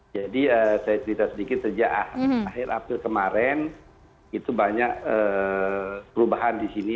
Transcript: jadi saya cerita sedikit sejak akhir april kemarin itu banyak perubahan di sini